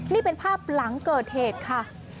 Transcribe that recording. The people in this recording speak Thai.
นี่เป็นภาพหลังเกิดเหตุค่ะ